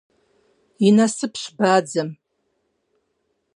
И насыпщ бадзэм.